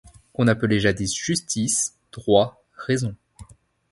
Qu'on appelait jadis justice, droit, raison.